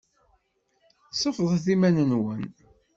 Sefḍet imawen-nwen.